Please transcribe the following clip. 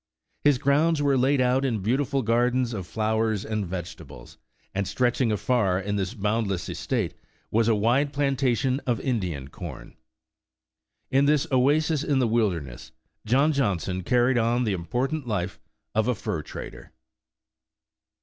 His grounds were laid out in beautiful gardens of flowers and vegetables, and stretching afar in this boundless estate, was a wide plantation of Indian corn. In this oasis in the wilder ness, John Johnson carried on the important life of a fur trader.